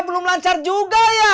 belum lancar juga ya